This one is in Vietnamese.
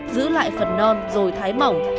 giữ lại phần non rồi thái mỏng